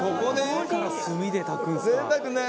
「朝から炭で炊くんですか？」